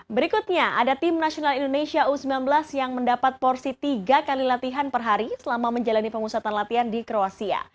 berikutnya ada tim nasional indonesia u sembilan belas yang mendapat porsi tiga kali latihan per hari selama menjalani pengusatan latihan di kroasia